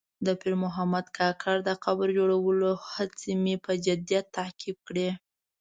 د پیر محمد کاکړ د قبر جوړولو هڅې مې په جدیت تعقیب کړې.